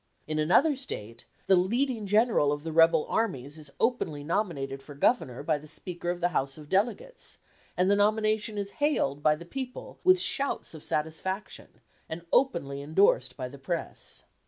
In another State the leading general of the rebel armies is openly nominated for Governor by the Speaker of the House of Delegates, and the nomination is hailed by the people with shouts of satisfaction, and openly endorsed by the press....